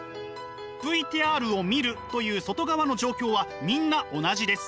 ＶＴＲを見るという外側の状況はみんな同じです。